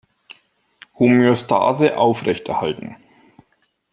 Homöostase aufrechterhalten!